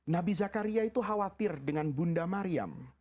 nabi zakaria itu khawatir dengan bunda mariam